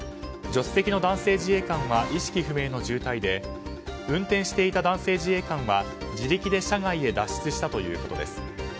助手席の男性自衛官は意識不明の重体で運転していた男性自衛官は自力で車外へ脱出したということです。